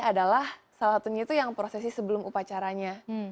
adalah salah satunya itu yang prosesi sebelum upacaranya